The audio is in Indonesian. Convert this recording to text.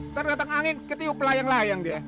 ntar datang angin ketiup layang layang dia